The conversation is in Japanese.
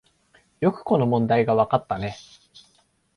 よくこの問題がわかったね